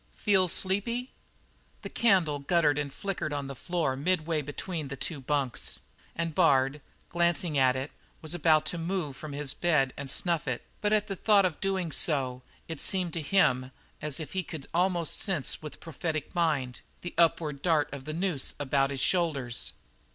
"Feel sleepy?" The candle guttered and flickered on the floor midway between the two bunks, and Bard, glancing to it, was about to move from his bed and snuff it; but at the thought of so doing it seemed to him as if he could almost sense with prophetic mind the upward dart of the noose about his shoulders.